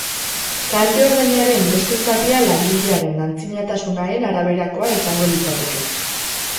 Kalte-ordainaren beste zatia langilearen antzinatasunaren araberakoa izango litzateke.